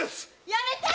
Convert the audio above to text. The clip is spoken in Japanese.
やめて！